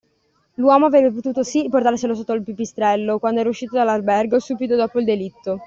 L’uomo avrebbe potuto, sí, portarselo sotto il pipistrello, quando era uscito dall’albergo subito dopo il delitto;